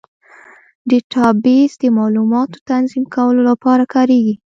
ډیټابیس د معلوماتو تنظیم کولو لپاره کارېږي.